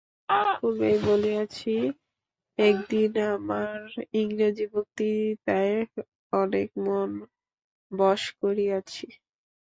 পূর্বেই বলিয়াছি, একদিন আমার ইংরেজি বক্তৃতায় অনেক মন বশ করিয়াছি।